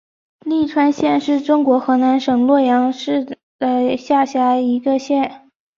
栾川县是中国河南省洛阳市的下辖一个县。